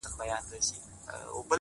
په دې پوهېږمه چي ستا د وجود سا به سم _